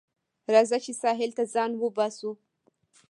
راځه چې ساحل ته ځان وباسو